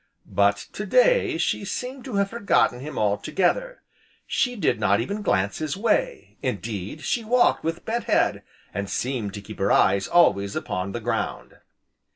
But to day she seemed to have forgotten him altogether, she did not even glance his way, indeed she walked with bent head, and seemed to keep her eyes always upon the ground.